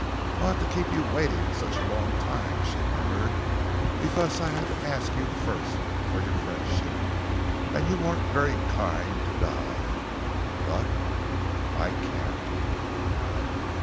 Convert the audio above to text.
"I ought to keep you waiting such a long time," she murmured, "because I had to ask you first for your friendship, and you weren't very kind to die. But I can't."